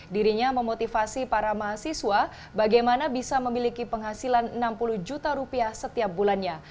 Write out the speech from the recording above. dirinya memotivasi para mahasiswa bagaimana bisa memiliki penghasilan enam puluh juta rupiah setiap bulannya